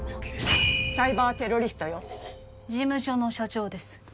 サイバーテロリストよ事務所の社長です